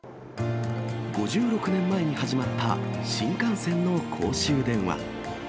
５６年前に始まった新幹線の公衆電話。